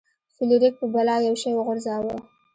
فلیریک په بلا یو شی وغورځاوه.